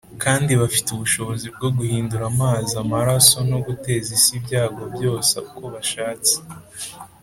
kandi bafite ubushobozi bwo guhindura amazi amaraso no guteza isi ibyago byose uko bashatse.